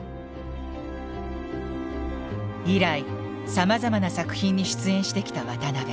以来さまざまな作品に出演してきた渡辺。